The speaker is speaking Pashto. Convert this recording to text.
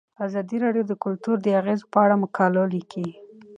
ازادي راډیو د کلتور د اغیزو په اړه مقالو لیکلي.